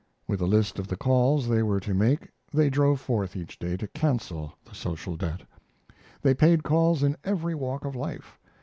With a list of the calls they were to make they drove forth each day to cancel the social debt. They paid calls in every walk of life.